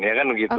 ya kan begitu